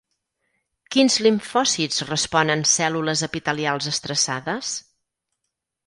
Quins limfòcits responen cèl·lules epitelials estressades?